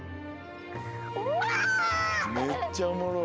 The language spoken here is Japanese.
めっちゃおもろい。